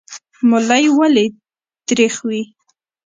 ملی ولې تریخ وي؟